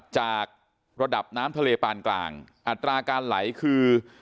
จากระดับน้ำทะเลปานกลางอัตราการไหลคือ